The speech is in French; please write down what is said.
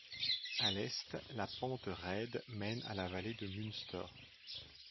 À l'est, la pente raide mène à la vallée de Munster.